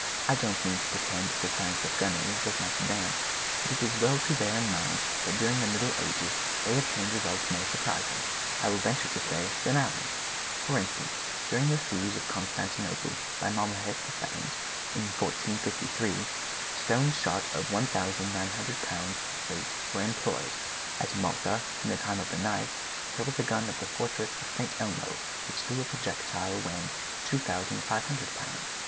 I don't mean to pretend that the science of gunnery has not advanced, but it is as well to bear in mind that during the middle ages they obtained results more surprising, I will venture to say, than ours. For instance, during the siege of Constantinople by Mahomet II., in 1453, stone shot of 1,900 pounds weight were employed. At Malta, in the time of the knights, there was a gun of the fortress of St. Elmo which threw a projectile weighing 2,500 pounds.